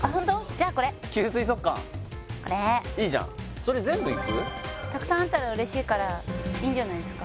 じゃあこれ吸水速乾これいいじゃんたくさんあったら嬉しいからいいんじゃないですか